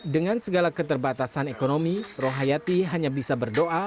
dengan segala keterbatasan ekonomi rohayati hanya bisa berdoa